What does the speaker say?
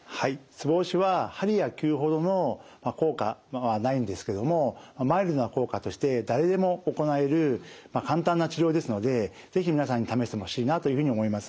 ツボ押しは鍼や灸ほどの効果はないんですけどもマイルドな効果として誰でも行える簡単な治療ですので是非皆さんに試してほしいなというふうに思います。